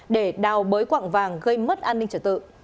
để đào bới quạng vàng gây mất an ninh trật tự